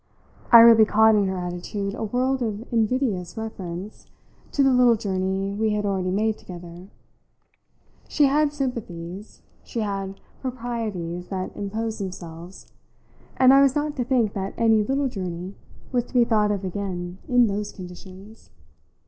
I really caught in her attitude a world of invidious reference to the little journey we had already made together. She had sympathies, she had proprieties that imposed themselves, and I was not to think that any little journey was to be thought of again in those conditions.